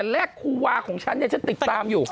แรกครูวาของฉันเนี่ยฉันติดตามอยู่